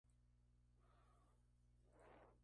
Aeropuertos de Rep.